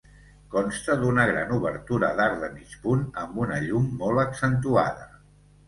Consta d’una gran obertura d’arc de mig punt amb una llum molt accentuada.